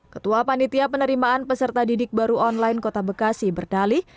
ketua panitia penerimaan peserta didik baru online kota bekasi berdalih